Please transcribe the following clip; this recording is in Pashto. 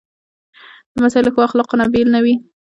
لمسی له ښو اخلاقو نه بېل نه وي.